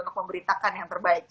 untuk memberitakan yang terbaca